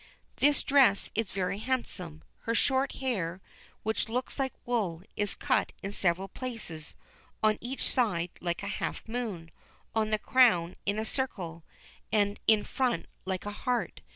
"This dress is very handsome; her short hair, which looks like wool, is cut in several places, on each side like a half moon, on the crown in a circle, and in front like a heart.